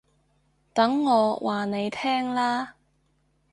等我話你聽啦